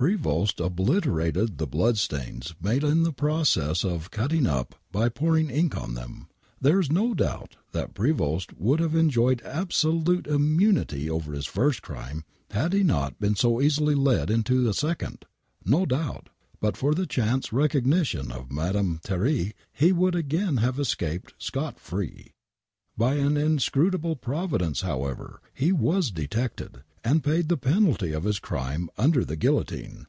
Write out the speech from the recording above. Prevost obliterated the blood stains made in the process of cutting up by pouring ink on them. There is no doubt that Prevost would have enjoyed absolute immunity over his first crime had he not been so easily led into a second. 1^0 doubt, but for the chance recognition of Madame Thierry, he would again have escaped scot free. By an inscrutable providence, however, he was detected and paid the penalty of his crime under the guillotine.